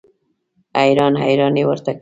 حیران حیران یې ورته کتل.